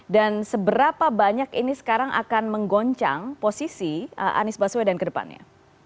dan seberapa banyak ini sekarang akan menggoncang posisi anies baswedan ke depannya